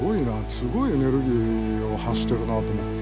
すごいエネルギーを発してるなと思って。